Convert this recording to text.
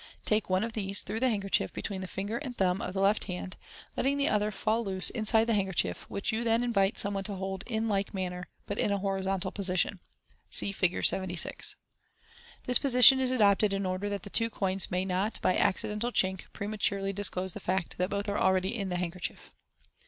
Take one of these through the handkerchief between the finger and thumb of the left Fig. 76. 166 MODERN MAGIC. hand, letting the other fall loose inside the handkerchief, which yon then invite some one to hold in like manner, but in a horizontal posi tion. (See Fig. 76.) This position is adopted in order that the two coins may not, by any accidental chink, prematurely disclose the fact that both are already in the handkerchief.